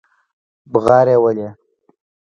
بوغارې يې وهلې.